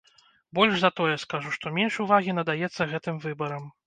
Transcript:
Больш за тое скажу, што менш увагі надаецца гэтым выбарам.